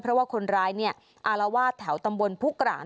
เพราะว่าคนร้ายเนี่ยอารวาสแถวตำบลผู้กร่าง